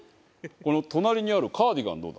この隣にあるカーディガンどうだ？